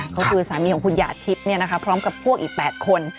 คือสามีของคุณหยาทิพย์เนี่ยนะคะพร้อมกับพวกอีก๘คน